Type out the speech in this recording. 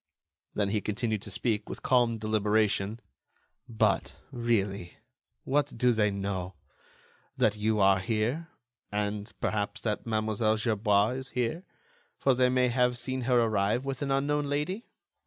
Then he continued to speak, with calm deliberation: "But, really, what do they know? That you are here, and, perhaps, that Mlle. Gerbois is here, for they may have seen her arrive with an unknown lady.